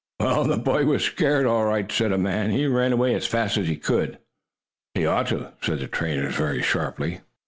"Well, the boy was scared all right," said a man. "He ran away as fast as he could go." "He ought to!" said the trainer very sharply.